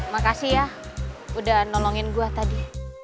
makasih ya udah nolongin gue tadi